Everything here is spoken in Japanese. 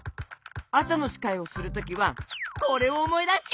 あさのしかいをするときはこれをおもいだして！